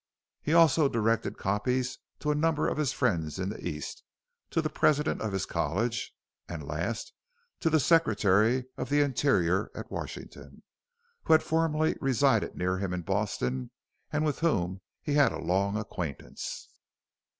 He also directed copies to a number of his friends in the East to the president of his college, and last, to the Secretary of the Interior at Washington, who had formerly resided near him in Boston, and with whom he had a long acquaintance.